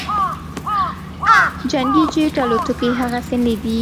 جنګي جیټ الوتکې هغسې نه دي